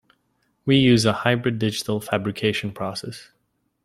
We use a hybrid digital fabrication process.